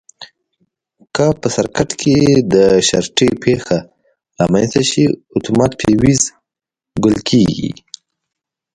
که په سرکټ کې د شارټي پېښه رامنځته شي اتومات فیوز ګل کېږي.